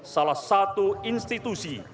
salah satu institusi